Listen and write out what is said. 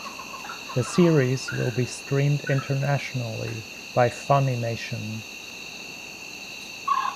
The series will be streamed internationally by Funimation.